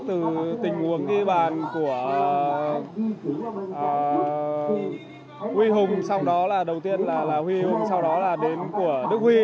từ tình nguồn cái bàn của huy hùng sau đó là đầu tiên là huy hùng sau đó là đến của đức huy